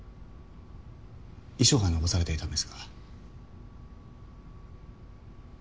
遺書が残されていたんですが。